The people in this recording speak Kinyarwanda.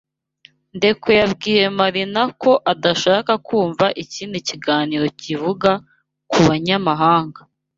Ndekwe yabwiye Marina ko adashaka kumva ikindi kiganiro kivuga ku banyamahanga.